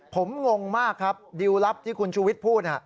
ผมงงมากครับดิวลลับที่คุณชูวิทย์พูด